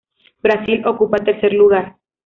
Brasil ocupa el tercer lugar.